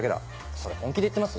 それ本気で言ってます？